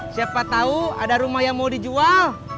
siapa tahu ada rumah yang mau dijual